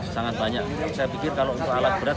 sangat banyak saya pikir kalau untuk alat berat